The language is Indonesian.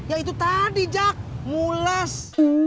ya itu tadi jak mulas